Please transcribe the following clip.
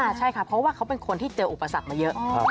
ใช่ค่ะเพราะว่าเขาเป็นคนที่เจออุปสรรคมาเยอะ